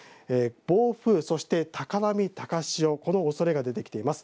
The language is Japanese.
暴風、高波や高潮このおそれが出てきています。